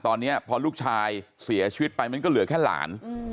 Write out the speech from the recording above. ตอนนี้พอลูกชายเสียชีวิตไปมันก็เหลือแค่หลาน